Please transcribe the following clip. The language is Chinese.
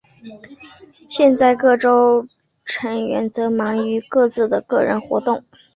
现在各成员则忙于各自的个人活动。